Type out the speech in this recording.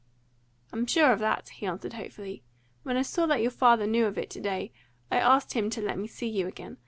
"I'm sure of that," he answered hopefully. "When I saw that your father knew of it to day, I asked him to let me see you again.